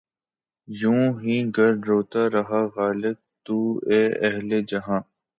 یوں ہی گر روتا رہا غالب! تو اے اہلِ جہاں